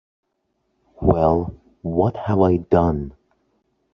Well, what have I done?